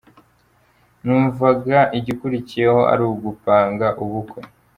numvaga igikurikiyeho ari ugupanga ubukwe !